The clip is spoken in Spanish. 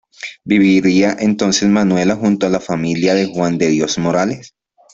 Viviría entonces Manuela junto a la familia de Juan de Dios Morales.